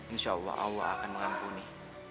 insya allah allah akan mengampuni